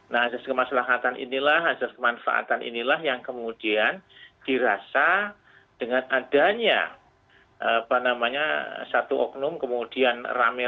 nah azas kemaslahatan inilah azas kemanfaatan inilah yang kemudian dirasa dengan adanya apa namanya satu oknum kemudian rame rame